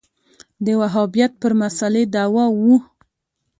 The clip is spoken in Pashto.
دا وهابیت پر مسألې دعوا وه